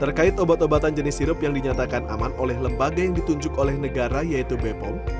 terkait obat obatan jenis sirup yang dinyatakan aman oleh lembaga yang ditunjuk oleh negara yaitu bepom